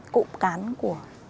cộ cán của